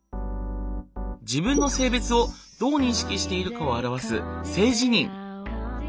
自分の性別をどう認識しているかを表す性自認。